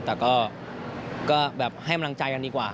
แต่ก็แบบให้กำลังใจกันดีกว่า